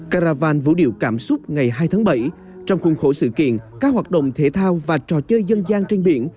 caravan vũ điệu cảm xúc ngày hai tháng bảy trong khuôn khổ sự kiện các hoạt động thể thao và trò chơi dân gian trên biển